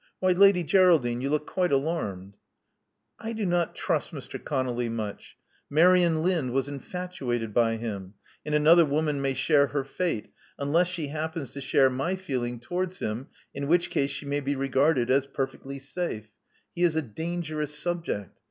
Why, Lady Geraldine, you look quite alarmed." I do not trust Mr. ConoUy much. Marian Lind was infatuated by him ; and another woman may share her fate — unless she happens to share my feeling towards him, in which case she may be regarded as perfectly safe. He is a dangerous subject.